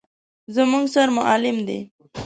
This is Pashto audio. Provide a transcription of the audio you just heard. _زموږ سر معلم دی.